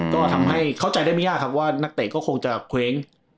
ก็ทำให้เข้าใจได้ไม่ยากครับว่านักเตะก็คงจะเคว้ง